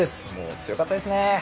強かったです。